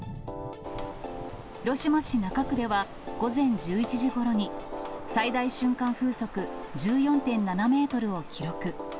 広島市中区では午前１１時ごろに、最大瞬間風速１４．７メートルを記録。